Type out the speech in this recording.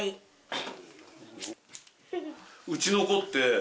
うちの子って。